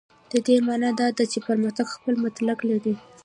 د دې معنا دا ده چې پرمختګ خپل منطق لري.